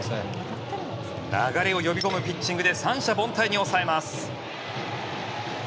流れを呼び込むピッチングで三者凡退に抑えます。